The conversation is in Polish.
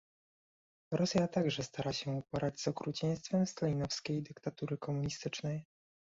Rosja także stara się uporać z okrucieństwem stalinowskiej dyktatury komunistycznej